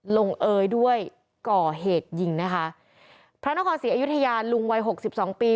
ลงเอยด้วยก่อเหตุยิงนะคะพระนครศรีอยุธยาลุงวัยหกสิบสองปี